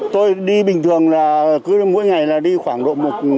tôi đi bình thường là cứ mỗi ngày là đi khoảng độ một